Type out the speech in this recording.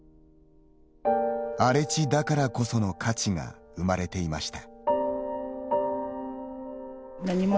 荒れ地だからこその価値が生まれていました。